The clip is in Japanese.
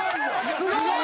すごい！